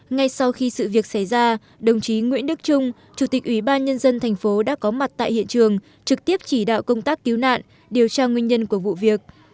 ngay sau khi sự việc xảy ra đồng chí nguyễn đức trung chủ tịch ủy ban nhân dân thành phố đã có mặt tại hiện trường trực tiếp chỉ đạo công tác cứu nạn điều tra nguyên nhân của vụ việc